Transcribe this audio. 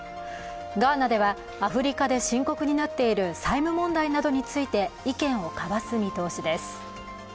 ガーナではアフリカで深刻になっている債務問題などについて意見を交わす見通しです。